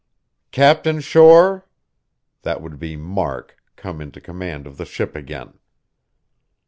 "Captain Shore?" That would be Mark, come into command of the ship again.